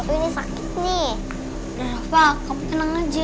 buat apapun itu